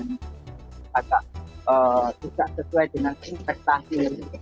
agak tidak sesuai dengan investasi